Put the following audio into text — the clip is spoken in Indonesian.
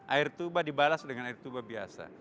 air tuba dibalas dengan air tuba biasa